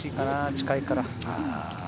近いから。